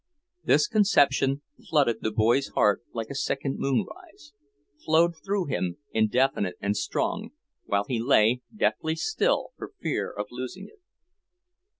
This conception flooded the boy's heart like a second moonrise, flowed through him indefinite and strong, while he lay deathly still for fear of losing it.